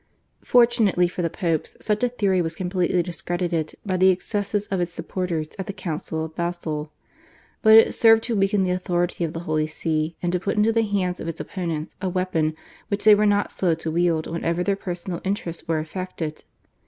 Fortunately for the Popes such a theory was completely discredited by the excesses of its supporters at the Council of Basle, but it served to weaken the authority of the Holy See, and to put into the hands of its opponents a weapon which they were not slow to wield whenever their personal interests were affected.